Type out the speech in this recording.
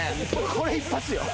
これ一発よ